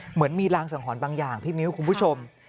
เหมือนมีรางสังหรณ์บางอย่างพี่มิ้วคุณผู้ชม